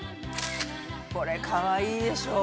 これかわいいでしょう！